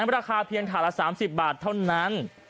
ราคาเพียงถาดละ๓๐บาทเท่านั้น